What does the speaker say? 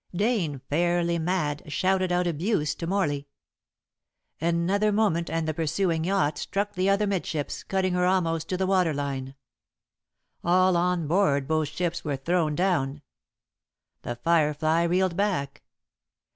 Dane, fairly mad, shouted out abuse to Morley. Another moment and the pursuing yacht struck the other midships, cutting her almost to the waterline. All on board both ships were thrown down. The Firefly reeled back.